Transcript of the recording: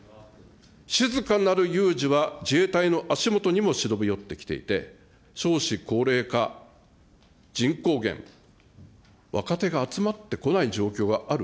静かなる有事は自衛隊の足下にも忍び寄ってきていて、少子高齢化、人口減、若手が集まってこない状況がある。